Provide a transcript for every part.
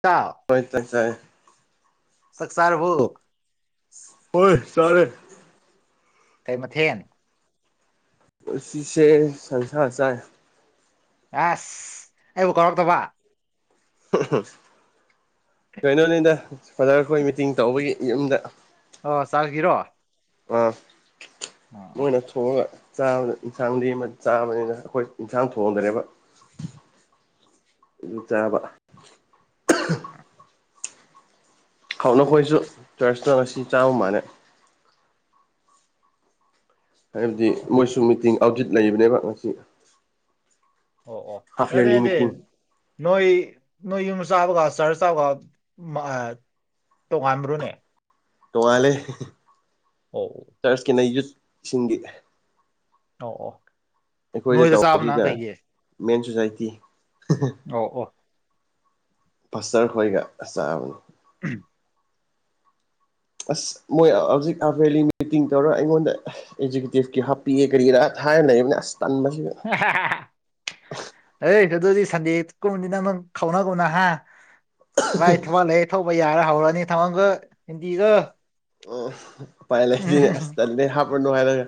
ꯇ ꯍꯣꯏ ꯇꯁꯥꯏ ꯁꯛꯁꯥꯔꯕ ꯍꯣꯏ ꯁꯔꯦ ꯇꯥꯏ ꯃꯊ ꯍꯦꯅꯤ ꯑꯁꯤꯁꯦ ꯁꯪꯁꯥꯔ ꯆꯥꯏ ꯑꯦꯁ ꯑꯩꯕꯨ ꯀꯔ ꯇꯕ ꯀꯩꯅꯣꯅꯤꯗ ꯐꯥꯗꯔꯈꯣꯏ ꯃꯤꯇꯤꯡ ꯇꯧꯕꯒꯤ ꯌꯨꯝꯗ ꯑꯣ ꯆꯥꯈꯤꯔꯣ ꯑ ꯑꯣ ꯃꯣꯏꯅ ꯊꯣꯡꯉꯒ ꯆꯥꯕꯗ ꯏꯟꯁꯥꯡꯗꯤ ꯑꯃ ꯆꯥꯕꯅꯤꯅ ꯑꯩꯈꯣꯏ ꯏꯟꯁꯥꯡ ꯊꯣꯡꯗ꯭ꯔꯦꯕ ꯎꯣꯡ ꯆꯥꯕ ꯈꯥꯎꯅꯈꯣꯏꯁꯨ ꯆꯔꯁꯇ ꯉꯁꯤ ꯆꯥꯝꯃ ꯃꯥꯜꯦ ꯍꯥꯏꯕꯗꯤ ꯑꯣ ꯃꯣꯏꯁꯨ ꯃꯤꯇꯤꯡ ꯑꯥꯎꯗꯦꯠ ꯂꯩꯕꯅꯦꯕ ꯉꯁꯤ ꯑꯣ ꯑꯣ ꯍꯥꯐ ꯌꯔꯂꯤ ꯃꯤꯇꯤꯡ ꯑꯗꯗ ꯅꯣꯏ ꯅꯣꯏ ꯌꯨꯝ ꯁꯥꯕꯒ ꯁꯍꯔ ꯆꯕꯒ ꯇꯣ ꯋꯥꯃꯔꯨꯅꯦ ꯇꯣꯉꯥꯜꯂꯦ ꯑꯣ ꯆꯔꯆꯀꯤꯅ ꯌꯨꯠꯁꯤꯡꯒꯤ ꯇꯣꯛꯑꯣ ꯑꯩꯈꯣꯏꯗ ꯅꯣꯏꯗ ꯆꯥꯕꯅ ꯇꯧꯕꯗꯨꯅ ꯀꯩꯒꯤ ꯃꯦꯟ ꯁꯣꯁꯥꯏꯇꯤ ꯑꯣ ꯑꯣ ꯄꯥꯁꯇ꯭ꯔ ꯈꯣꯏꯒ ꯆꯥꯕꯅꯤ ꯎꯝ ꯑꯁ ꯃꯣꯏ ꯍꯧꯖꯤꯛ ꯔꯦꯜꯂꯤ ꯃꯤꯇꯤꯡ ꯇꯧꯔꯒ ꯑꯩꯉꯣꯟꯗ ꯑꯦꯖꯤꯨꯀꯨꯇꯤꯞꯀꯤ ꯍꯥꯞꯄꯤꯒꯦ ꯀꯔꯤꯒꯤꯔꯥ ꯉꯥꯛꯇ ꯍꯥꯏꯔ ꯂꯩꯕꯅꯤ ꯑꯁ ꯇꯟꯕꯁꯤꯒ ꯑꯍꯦ ꯍꯦ ꯍꯦ ꯑꯦꯁ ꯑꯗꯨꯗꯤ ꯁꯟꯗꯦ ꯒꯨꯝꯕꯗꯤ ꯅꯪ ꯈꯅꯥꯎ ꯒꯣꯅꯍ ꯚꯥꯏ ꯊꯧꯍꯜꯂꯦ ꯊꯧꯕ ꯌꯥꯔꯦ ꯍꯧꯔꯅꯤ ꯊꯥꯡꯃꯜꯒ ꯍꯤꯟꯗꯤꯒ ꯎꯝ ꯎꯄꯥꯏ ꯂꯩꯇꯦꯅꯦ ꯑꯁ ꯎꯝ ꯇꯟꯂꯦ ꯍꯥꯞꯄꯅꯨ ꯍꯥꯏꯔꯒ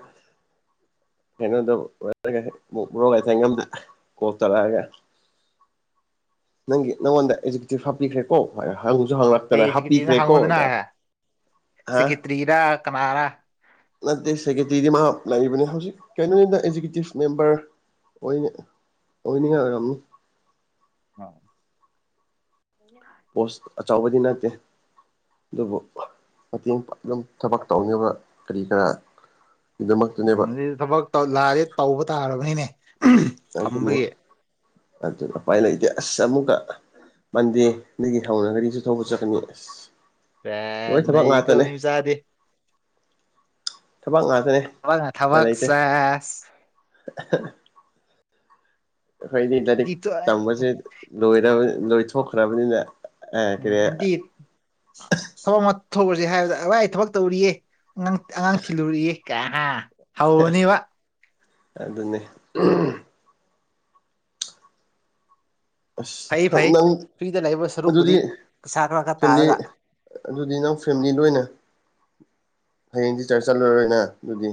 ꯀꯩꯅꯣꯗ ꯕ꯭ꯔꯣꯒ ꯊꯉꯝꯗ ꯀꯣꯜ ꯇꯧꯔꯛꯑꯒ ꯅꯪꯒꯤ ꯅꯉꯣꯟꯗ ꯑꯦꯖꯨꯀꯦꯨꯇꯤꯚ ꯍꯥꯞꯄꯤꯈ꯭ꯔꯦꯀꯣ ꯍꯪꯁꯨ ꯍꯪꯂꯛꯑꯦ ꯀꯩ ꯍꯥ ꯁꯦꯀ꯭ꯔꯦꯇꯔꯤꯅ ꯄꯤꯈ꯭ꯔꯦꯀꯣ ꯍꯥꯏꯗꯅ ꯍꯥ ꯀꯔꯤꯔꯥ ꯀꯅꯔꯥ ꯅꯠꯇꯦ ꯁꯦꯀꯦꯇꯔꯤꯗꯤ ꯃꯥ ꯂꯩꯕꯅꯤ ꯍꯧꯖꯤꯛ ꯀꯩꯅꯣꯗ ꯑꯦꯛꯖꯤꯀꯌꯨꯇꯤꯞ ꯃꯦꯝꯕꯔ ꯑꯣꯏ ꯑꯣꯏꯅꯤꯡꯉꯥꯏ ꯑꯣꯏꯔꯝꯅꯤ ꯍ ꯍ ꯄꯣꯁ ꯑꯆꯧꯕꯗꯤ ꯅꯠꯇꯦ ꯑꯗꯨꯕꯨ ꯃꯇꯦꯡ ꯑꯗꯨꯝ ꯊꯕꯛ ꯇꯧꯅꯕ ꯀꯔꯤ ꯀꯔꯥ ꯎꯝ ꯒꯤꯗꯃꯛꯇꯅꯦꯕ ꯑꯗꯨꯗꯤ ꯊꯕꯛ ꯂꯥꯏꯔꯦ ꯇꯧꯕ ꯇꯥꯔꯕꯅꯤꯅꯦ ꯊꯝꯕꯒꯤ ꯑꯗꯨꯅꯦ ꯎꯄꯥꯏ ꯂꯩꯇꯦ ꯑꯁ ꯑꯃꯨꯒ ꯃꯟꯗꯦ ꯗꯒꯤ ꯍꯧꯔꯒꯗꯤꯁꯨ ꯊꯧꯕ ꯆꯠꯀꯅꯤ ꯂꯣꯏ ꯁꯦꯁ ꯊꯕꯛ ꯅꯩꯀꯣ ꯉꯥꯛꯇꯅꯦ ꯃꯤ ꯃꯆꯥꯗꯤ ꯊꯕꯛ ꯉꯥꯛꯇꯅꯦ ꯊꯕꯛꯅ ꯎꯄꯥꯏ ꯊꯕꯛ ꯂꯩꯇꯦ ꯁꯦꯁ ꯑꯩꯈꯣꯏꯗꯤ ꯂꯥꯏꯔꯤꯛ ꯗꯤꯇꯣ ꯑꯩ ꯇꯝꯕꯁꯦ ꯂꯣꯏꯔ ꯂꯣꯏꯊꯣꯛꯈ꯭ꯔꯕꯅꯤꯅꯦ ꯎꯝ ꯑꯦꯟꯇꯤ ꯊꯕꯛ ꯑꯃ ꯊꯣꯛꯑꯨꯁꯦ ꯍꯥꯏꯕꯗ ꯚꯥꯏ ꯊꯕꯛ ꯇꯧꯔꯤꯌꯦ ꯑꯉꯥꯡ ꯊꯤꯜꯂꯨꯔꯛꯏ ꯀ ꯑꯗꯨꯅꯦ ꯐꯩ ꯑꯁ ꯐꯩ ꯅꯪ ꯐ꯭ꯔꯤꯗ ꯂꯩꯕ ꯁꯔꯨꯛꯄꯨꯗꯤ ꯑꯗꯨꯗꯤ ꯄꯩꯁꯥ ꯈꯔ ꯈꯔ ꯐꯦꯃꯤꯂꯤ ꯇꯥꯜꯂꯒ ꯑꯗꯨꯗꯤ ꯅꯪ ꯐꯦꯃꯤꯂꯤ ꯂꯣꯏꯅ ꯍꯌꯦꯡ ꯆ꯭ꯔꯁ ꯆꯠꯂꯔꯣꯏꯅ ꯑꯗꯨꯗꯤ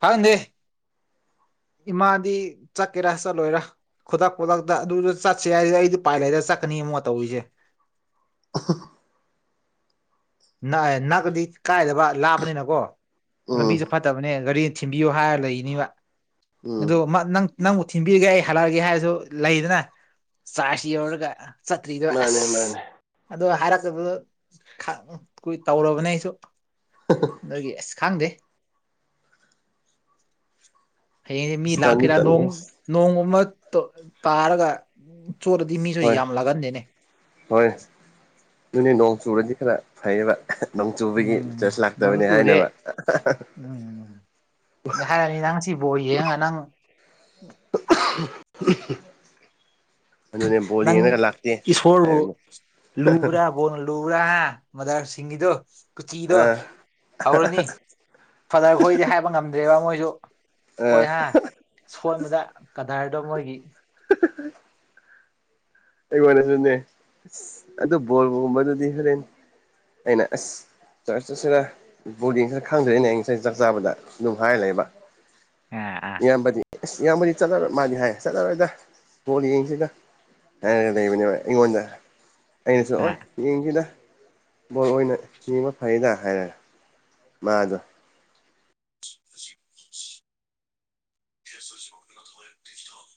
ꯍꯗꯦ ꯏꯃꯥꯗꯤ ꯆꯠꯀꯦꯔꯥ ꯆꯠꯂꯣꯏꯔꯥ ꯈꯨꯗꯛ ꯈꯨꯗꯛꯇ ꯑꯗꯨꯗ ꯆꯠꯁꯦ ꯍꯥꯏꯁꯤꯗꯤ ꯑꯩꯗꯤ ꯎꯄꯥꯏ ꯂꯩꯔ ꯆꯠꯀꯅꯤ ꯑꯃꯨꯛ ꯇꯧꯔꯤꯁꯦ ꯑ ꯅꯛꯑꯦ ꯅꯛꯑꯗꯤ ꯀꯥꯏꯗꯕ ꯂꯥꯞꯄꯅꯤꯅꯀꯣ ꯎꯝ ꯂꯝꯕꯤꯁꯦ ꯐꯠꯇꯕꯅꯦ ꯒꯥꯔꯤ ꯊꯤꯟꯕꯤꯌꯣ ꯍꯥꯏꯔ ꯂꯩꯅꯤꯕ ꯎꯝ ꯑꯗ ꯅꯪ ꯅꯪꯕꯨ ꯊꯤꯟꯕꯤꯒꯦ ꯑꯩ ꯍꯜꯂꯛꯑꯒꯦ ꯍꯥꯏꯔꯁꯨ ꯂꯩꯗꯅ ꯆꯥꯔꯁꯤ ꯌꯧꯔꯒ ꯆꯠꯇ꯭ꯔꯤꯗꯣ ꯃꯥꯅꯦ ꯑꯁ ꯃꯥꯅꯦ ꯑꯗꯣ ꯍꯥꯏꯔꯛꯄꯗꯨꯗ ꯀꯨꯏ ꯇꯧꯔꯕꯅꯦ ꯑꯩꯁꯨ ꯍꯨꯝ ꯍꯨꯝ ꯅꯣꯏꯒꯤ ꯑꯁ ꯈꯥꯡꯗꯦ ꯍꯌꯦꯡ ꯃꯤ ꯑꯁ ꯇꯟꯗꯤ ꯂꯥꯛꯀꯦꯔꯥ ꯅꯣꯡ ꯇꯟꯂꯦ ꯅꯣꯡꯃ ꯒꯨꯝꯕ ꯇꯥꯔꯒ ꯆꯣꯠꯂꯗꯤ ꯃꯤꯁꯨ ꯍꯣꯏ ꯌꯥꯝ ꯂꯥꯛꯒꯟꯗꯦꯅꯦ ꯍꯣꯏ ꯑꯗꯨꯅꯤ ꯅꯣꯡ ꯆꯨꯨꯔꯗꯤ ꯈꯔ ꯐꯩꯌꯦꯕ ꯅꯣꯡ ꯆꯨꯕꯒꯤ ꯎꯝ ꯆ꯭ꯔꯁ ꯅꯣꯡꯁꯨ ꯂꯥꯛꯇꯕꯅꯤ ꯆꯨꯗꯦ ꯍꯥꯏꯅꯕ ꯎꯝ ꯑꯗ ꯍꯥꯏꯔꯅꯤ ꯅꯪ ꯉꯁꯤ ꯕꯣꯜ ꯌꯦꯡꯉ ꯅꯪ ꯎ ꯅꯪ ꯂꯥꯛꯇꯦ ꯏꯁꯁꯣꯔ ꯕꯨ ꯍꯥꯏꯕꯅꯦ ꯂꯨꯕ꯭ꯔ ꯕꯣꯟ ꯂꯨꯨꯔꯥ ꯃꯖꯔꯁꯤꯡꯒꯤꯗꯣ ꯀꯨꯆꯤꯗꯣ ꯑꯥ ꯍꯧꯔꯅꯤ ꯐꯗꯔ ꯈꯣꯏꯗꯤ ꯍꯥꯏꯕ ꯉꯝꯗ꯭ꯔꯦꯕ ꯃꯣꯏꯁꯨ ꯑꯥ ꯍꯣꯏ ꯍꯥ ꯁꯣꯟꯕꯗ ꯀꯥꯗꯔꯗꯣ ꯃꯣꯏꯒꯤ ꯑꯩꯉꯣꯟꯗꯁꯨꯅꯦ ꯑꯁ ꯑꯗꯨ ꯕꯣꯜꯒꯨꯝꯕꯗꯨꯗꯤ ꯍꯣꯔꯦꯟ ꯑꯩꯅ ꯑꯁ ꯆꯔꯆꯁꯤꯗ ꯕꯣꯗꯤꯡꯁꯤꯔ ꯈꯪꯗꯔꯤꯅꯦ ꯑꯩ ꯉꯁꯥꯏ ꯆꯥꯛ ꯆꯥꯕꯗ ꯑꯗꯨꯝ ꯍꯥꯏꯔ ꯂꯩꯕ ꯑꯥ ꯑꯥ ꯏꯌꯥꯝꯕꯗꯤ ꯑꯁ ꯏꯌꯥꯝꯕꯗꯤ ꯆꯠꯂꯣꯏ ꯃꯥꯗꯤ ꯍꯥꯏ ꯆꯠꯂꯔꯣꯏꯗ ꯕꯣꯜ ꯌꯦꯡꯁꯤ ꯗ ꯍꯥꯏꯔꯒ ꯂꯩꯕꯅꯦ ꯑꯩꯉꯣꯟꯗ ꯑꯩꯅꯁꯨ ꯑꯥ ꯑꯣꯏ ꯌꯦꯡꯁꯤꯗ ꯕꯣꯜ ꯑꯣꯏꯅ ꯌꯦꯡꯕ ꯐꯩꯌꯦꯗ ꯍꯥꯏꯔꯒ ꯃꯥꯗꯣ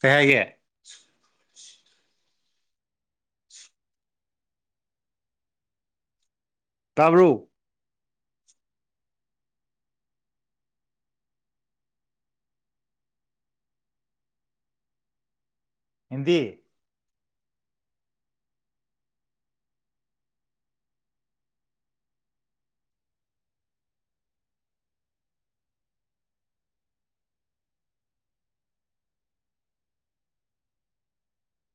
ꯀꯩ ꯍꯥꯏꯒꯦ ꯇꯥꯕꯔꯣ ꯍꯤꯟꯗꯤ